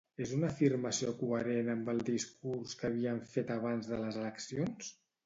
És una afirmació coherent amb el discurs que havien fet abans de les eleccions?